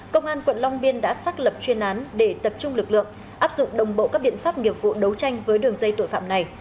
công an quận long biên đã xác lập chuyên án để tập trung lực lượng áp dụng đồng bộ các biện pháp nghiệp vụ đấu tranh với đường dây tội phạm này